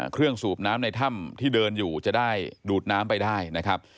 สูบน้ำในถ้ำที่เดินอยู่จะได้ดูดน้ำไปได้นะครับ